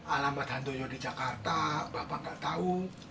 alamat handoyo di jakarta bapak nggak tahu